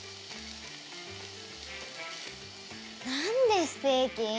なんでステーキ？